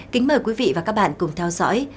kính mời quý vị và các bạn cùng theo dõi